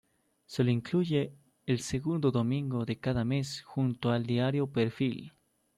Se lo incluye el segundo domingo de cada mes junto al diario Perfil.